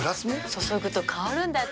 注ぐと香るんだって。